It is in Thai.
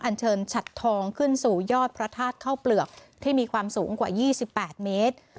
อันเชิญฉัดทองขึ้นสู่ยอดพระธาตุเข้าเปลือกที่มีความสูงกว่า๒๘เมตร